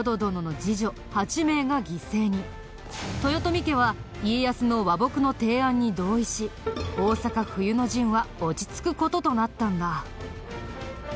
豊臣家は家康の和睦の提案に同意し大坂冬の陣は落ち着く事となったんだ。